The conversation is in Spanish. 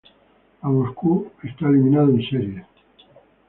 A Moscú está eliminado en series.